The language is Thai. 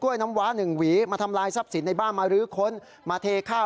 อย่างนี้คุณต้องเชิญผู้ใหญ่บ้านวันนี้